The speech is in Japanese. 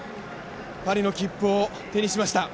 パリの切符を手にしました。